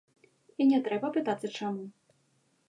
І не трэба пытацца, чаму.